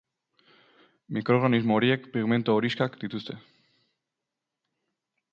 Mikroorganismo horiek pigmentu horixkak dituzte.